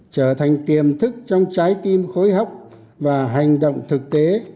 trở thành tiềm thức trong trái tim khối hóc và hành động thực tế